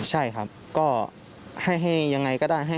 ใช่ครับก็ให้ยังไงก็ได้